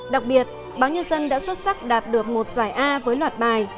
đặc biệt báo nhân dân đã xuất sắc đạt được một giải a với loạt bài